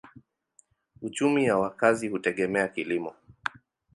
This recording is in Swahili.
Uchumi ya wakazi hutegemea kilimo.